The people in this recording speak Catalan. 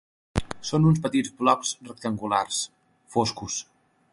Són uns petits blocs rectangulars, foscos.